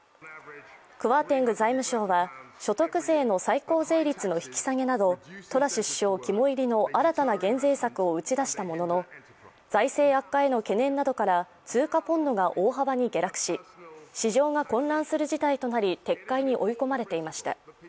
クワーテング財務相は所得税の最高税率の引き下げなどトラス首相肝煎りの新たな減税策を打ち出したものの、財政悪化への懸念などから通貨ポンドが大幅に下落し、市場が混乱する事態となり撤回に追い込まれていました。